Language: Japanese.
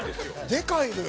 でかいのよ。